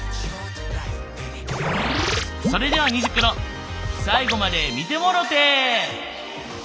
それでは「虹クロ」最後まで見てもろて！